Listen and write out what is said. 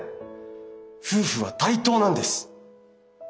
夫婦は対等なんです。